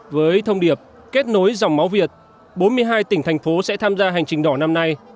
với thông điệp kết nối dòng máu việt bốn mươi hai tỉnh thành phố sẽ tham gia hành trình đỏ năm nay